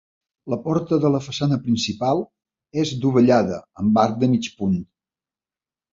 La porta de la façana principal és dovellada, amb arc de mig punt.